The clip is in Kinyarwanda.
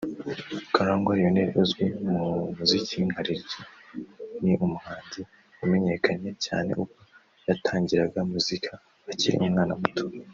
Karangwa Lionnel uzwi mu muziki nka Lil G ni umuhanzi wamenyekanye cyane ubwo yatangiraga muzika akiri umwana muto